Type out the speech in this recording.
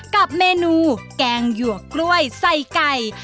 กับเมนูแกงหยวกกล้วยใส่ไก่